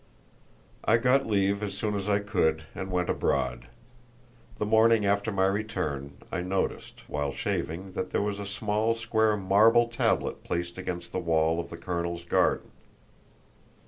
I got leave as soon as I could, and went abroad. The morning after my return I noticed, while shaving, that there was a small square marble tablet placed against the wall of the colonel's garden.